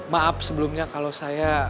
maaf sebelumnya kalau saya